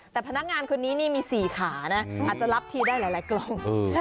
แต่พนักงานคนนี้นี่มี๔ขานะอาจจะรับทีได้หลายกล้อง